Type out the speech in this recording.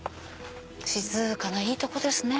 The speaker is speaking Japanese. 静かないいとこですね。